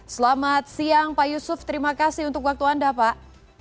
selamat siang pak yusuf terima kasih untuk waktu anda pak